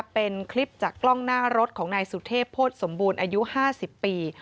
เป็นคลิปจากกล้องหน้ารถของนายสุเทพโภษสมบูรณ์อายุ๕๐ปี